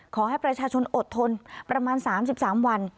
ขอให้ประชาชนอดทนประมาณ๓๓วัน